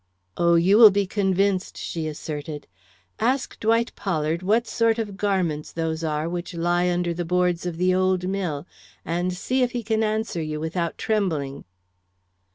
"Oh, you will be convinced," she asserted. "Ask Dwight Pollard what sort of garments those are which lie under the boards of the old mill, and see if he can answer you without trembling."